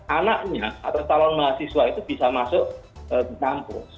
anaknya atau calon mahasiswa itu bisa masuk di kampus